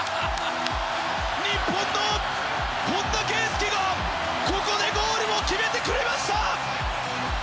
日本の本田圭佑がここでゴールを決めてくれました！